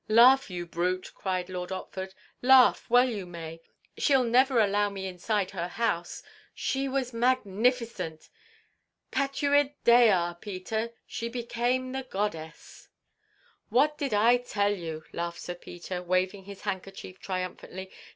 "Laugh, you brute!" cried Lord Otford. "Laugh! Well you may. She 'll never allow me inside her house. She was magnificent! Patuit dea, Peter! She came the Goddess!" "What did I tell you?" laughed Sir Peter, waving his handkerchief triumphantly.